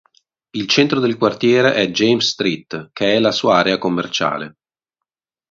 Il centro del quartiere è James Street che è la sua area commerciale.